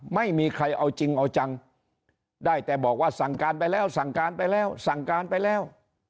ไม่มีใครเอาจริงเอาจังได้แต่บอกว่าสั่งการไปแล้วสั่งการไปแล้วสั่งการไปแล้ว